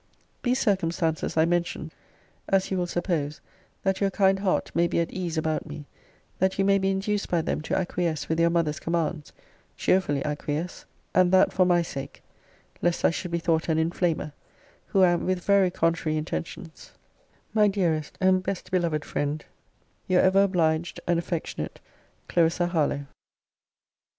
These circumstances I mention (as you will suppose) that your kind heart may be at ease about me; that you may be induced by them to acquiesce with your mother's commands, (cheerfully acquiesce,) and that for my sake, lest I should be thought an inflamer; who am, with very contrary intentions, my dearest and best beloved friend, Your ever obliged and affectionate, CLARISSA HARLOWE.